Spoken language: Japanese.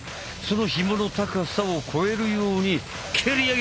そのひもの高さを超えるように蹴り上げる！